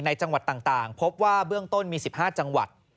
จังหวัดต่างพบว่าเบื้องต้นมี๑๕จังหวัด